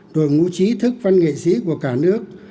đội ngũ trí thức văn nghệ sĩ của cả nước